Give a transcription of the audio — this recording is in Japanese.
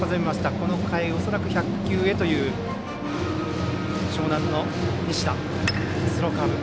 この回、恐らく１００球へという樟南の西田。